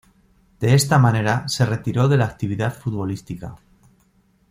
De esta manera se retiró de la actividad futbolística.